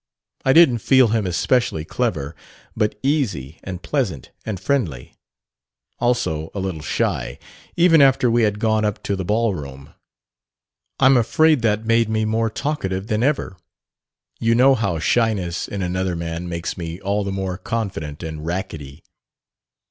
I didn't feel him especially clever, but easy and pleasant and friendly. Also a little shy even after we had gone up to the ball room. I'm afraid that made me more talkative than ever; you know how shyness in another man makes me all the more confident and rackety.